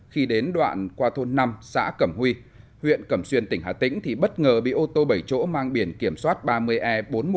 khi đến đoạn qua thôn năm xã cẩm huy huyện cẩm xuyên tỉnh hà tĩnh thì bất ngờ bị ô tô bảy chỗ mang biển kiểm soát ba mươi e bốn mươi một nghìn ba trăm tám mươi hai